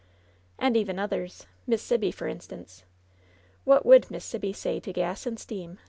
"And even others — Miss Sibby, for instance. What would Miss Sibby say to gas and steam?"